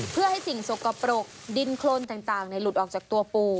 เพื่อให้สิ่งสกปรกดินโครนต่างหลุดออกจากตัวปู่